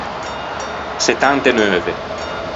Settant’e neuve.